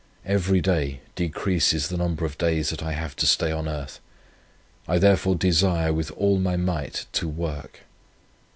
Every day decreases the number of days that I have to stay on earth. I therefore desire with all my might to work.